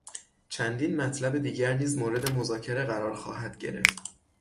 چندین مطلب دیگر نیز مورد مذاکره قرار خواهد گرفت.